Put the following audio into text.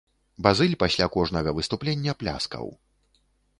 Базыль пасля кожнага выступлення пляскаў.